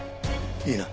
いいな？